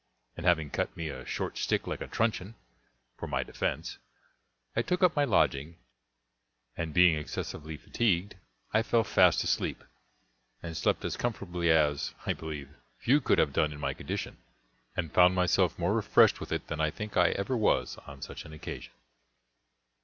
And having cut me a short stick like a truncheon, for my defence, I took up my lodging; and being excessively fatigued, I fell fast asleep, and slept as comfortably as, I believe, few could have done in my condition, and found myself more refreshed with it than I think I ever was on such an occasion.